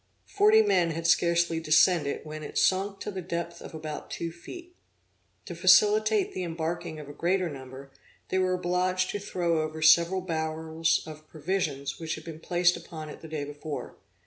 Forty men had scarcely descended when it sunk to the depth of about two feet. To facilitate the embarking of a greater number, they were obliged to throw over several barrels of provisions which had been placed upon it the day before.